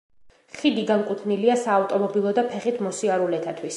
ხიდი განკუთვნილია საავტომობილო და ფეხით მოსიარულეთათვის.